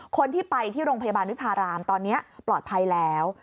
คนที่ไปที่โรงพยาบาลวิพารามตอนนี้ปลอดภัยแล้ว